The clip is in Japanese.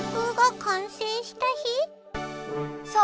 そう。